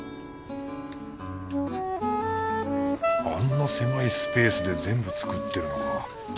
あんな狭いスペースで全部作ってるのか。